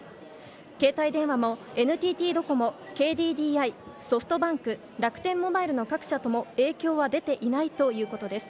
携帯電話もＮＴＴドコモＫＤＤＩ、ソフトバンク楽天モバイルの各社とも影響は出ていないということです。